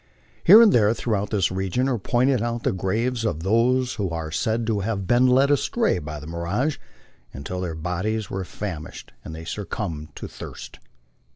Here and there throughout this region are pointed out the graves of those who are said to have been led astray by the mirage until their bodies were famished and they suc cumbed to thirst.